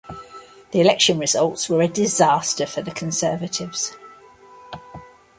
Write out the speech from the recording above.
The election results were a disaster for the Conservatives.